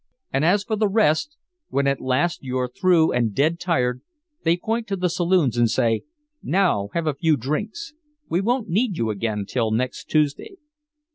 And as for the rest, when at last you're through and dead tired they point to the saloons and say, 'Now have a few drinks! We won't need you again till next Tuesday'!